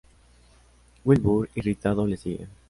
Wilbur, irritado, les sigue.